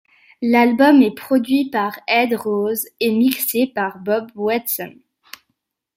L'album est produit par Ed Rose et mixé par Bob Weston.